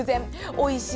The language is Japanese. おいしい